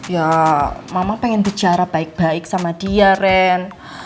ya mama pengen bicara baik baik sama dia ren